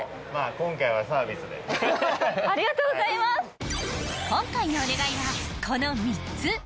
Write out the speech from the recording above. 今回のお願いはこの３つ。